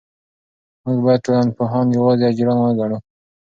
موږ باید ټولنپوهان یوازې اجیران ونه ګڼو.